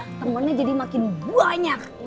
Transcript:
temennya jadi makin banyak